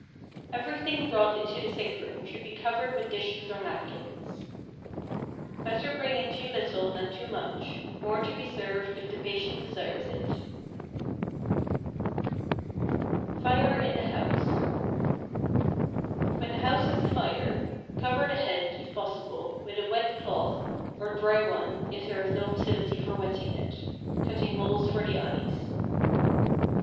Everything brought into the sick room should be covered with dishes or napkins. Better bring in too little than too much, more to be served if the patient desires it. =Fire in the House.= When the house is afire cover the head, if possible, with a wet cloth, or dry one if there is no facility for wetting it, cutting holes for the eyes.